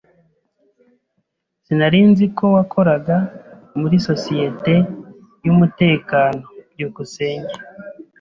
Sinari nzi ko wakoraga muri societe yumutekano. byukusenge